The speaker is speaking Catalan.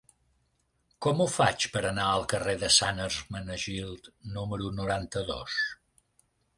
Com ho faig per anar al carrer de Sant Hermenegild número noranta-dos?